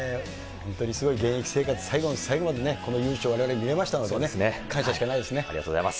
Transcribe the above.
本当にすごい現役生活最後の最後まで、この雄姿をわれわれ、見れましたので、感謝しかないでありがとうございます。